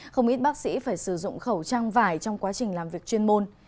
không ít bác sĩ phải sử dụng khẩu trang vải trong quá trình làm việc chuyên môn